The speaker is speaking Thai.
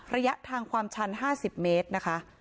ระยะทางความชัน๕๐เมตรนะคะ